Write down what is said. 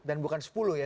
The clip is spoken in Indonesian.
dan bukan sepuluh ya